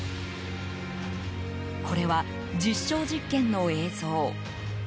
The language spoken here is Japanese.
これは、実証実験の映像。